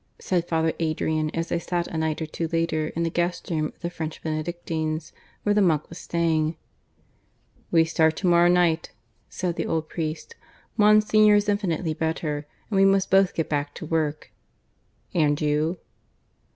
said Father Adrian, as they sat a night or two later in the guest room of the French Benedictines, where the monk was staying. "We start to morrow night," said the old priest. "Monsignor is infinitely better, and we must both get back to work. And you?"